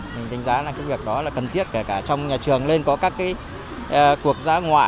mình đánh giá là cái việc đó là cần thiết kể cả trong nhà trường lên có các cái cuộc giá ngoại